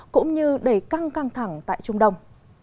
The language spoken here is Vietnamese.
cũng như đẩy căng căng thẳng tại trung đông